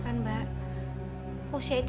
sekarang mau lo liat